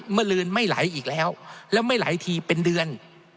ลืนไม่ไหลอีกแล้วแล้วไม่ไหลทีเป็นเดือน